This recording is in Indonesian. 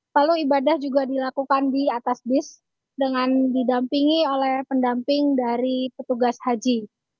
lalu ibadah juga dilakukan di atas bis dengan didampingi oleh pendamping dari petugas haji